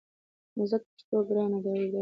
نو ځکه پښتو ګرانه ده او دا د عزت ژبه ده.